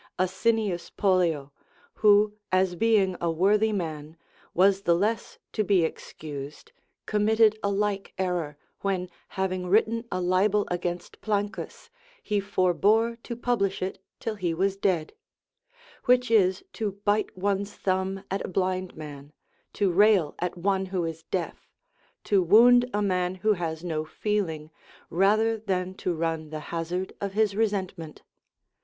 Asnius Pollio, who, as being a worthy man, was the less to be excused, committed a like, error, when, having written a libel against Plancus, he forbore to publish it till he was dead; which is to bite one's thumb at a blind man, to rail at one who is deaf, to wound a man who has no feeling, rather than to run the hazard of his resentment.